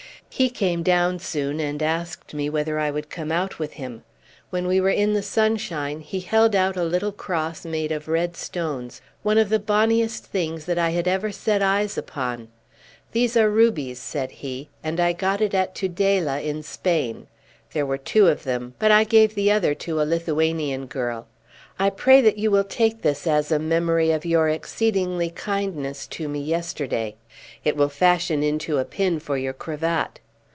He came down soon and asked me whether I would come out with him. When we were in the sunshine he held out a little cross made of red stones, one of the bonniest things that ever I had set eyes upon. "These are rubies," said he, "and I got it at Tudela, in Spain. There were two of them, but I gave the other to a Lithuanian girl. I pray that you will take this as a memory of your exceedingly kindness to me yesterday. It will fashion into a pin for your cravat."